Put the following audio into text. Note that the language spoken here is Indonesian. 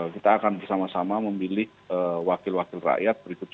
kita akan bersama sama memilih wakil wakil rakyat berikutnya